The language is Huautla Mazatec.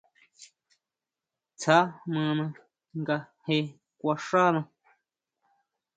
Tsja mana nga je kuan xána.